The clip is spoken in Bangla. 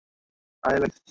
আয়, অ্যালেক্স!